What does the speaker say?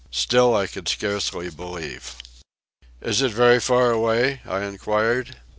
Still I could scarcely believe. "Is it very far away?" I inquired.